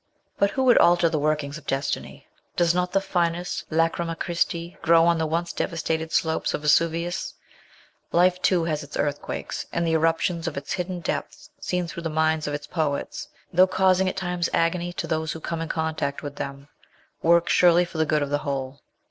But who would alter the workings of destiny ? Does not the finest Lacryma Christi grow on the once devastated slopes of Vesuvius ? Life, too, has its earthquakes, and the eruptions of its hidden depths seen through the minds of its poets, though causing at times agony to those who come in contact with them, work surely for the good of the whole.